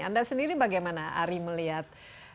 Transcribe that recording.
anda sendiri bagaimana ari melihat